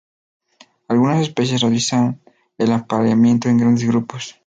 Algunas especies realizan el apareamiento en grandes grupos.